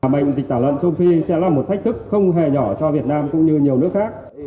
bệnh dịch tả lợn châu phi sẽ là một thách thức không hề nhỏ cho việt nam cũng như nhiều nước khác